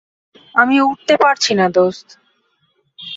আমি উঠতে পারছি না, দোস্ত!